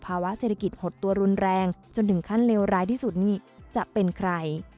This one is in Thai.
ภาวะเศรษฐกิจหดตัวรุนแรงจนถึงขั้นเลวร้ายที่สุดนี่จะเป็นใคร